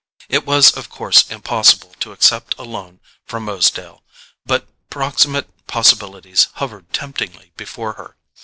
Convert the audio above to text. It was of course impossible to accept a loan from Rosedale; but proximate possibilities hovered temptingly before her.